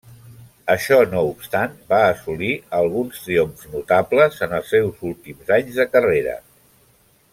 Això no obstant, va assolir alguns triomfs notables en els seus últims anys de carrera.